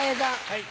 はい。